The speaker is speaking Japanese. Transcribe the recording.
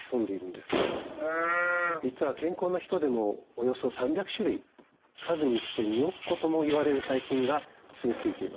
実は健康な人でもおよそ３００種類数にして２億個ともいわれる細菌が住み着いています。